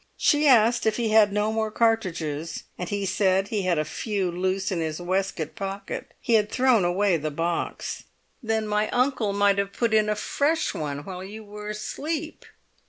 She asked if he had no more cartridges, and he said he had a few loose in his waistcoat pocket; he had thrown away the box. "Then my uncle might have put in a fresh one while you were asleep."